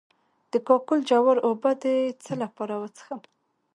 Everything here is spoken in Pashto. د کاکل جوار اوبه د څه لپاره وڅښم؟